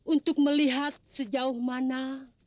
untuk melihat sejauh mana